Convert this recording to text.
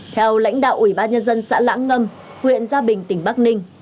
theo lãnh đạo ủy ban nhân dân xã lãng ngâm huyện gia bình tỉnh bắc ninh